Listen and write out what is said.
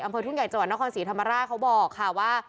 ทุ่งใหญ่จังหวัดนครศรีธรรมราชเขาบอกค่ะว่า